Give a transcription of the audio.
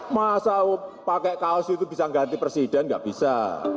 masa pakai kaos itu bisa ganti presiden nggak bisa